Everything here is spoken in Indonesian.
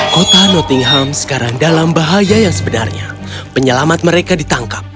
kota nottingham sekarang dalam bahaya yang sebenarnya penyelamat mereka ditangkap